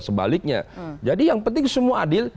sebaliknya jadi yang penting semua adil